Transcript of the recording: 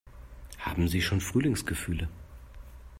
Haben Sie schon Frühlingsgefühle?